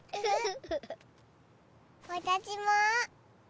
わたしも。